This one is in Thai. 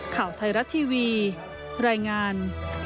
ข่าวไทยรัฐทีวีรายงาน